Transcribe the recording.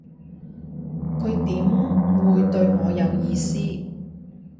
佢點會對我有意思